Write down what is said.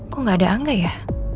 kok gak ada angga ya